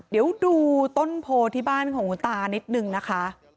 เดี๋ยวดูต้นโพที่บ้านของคุณตานิดนึงนะคะ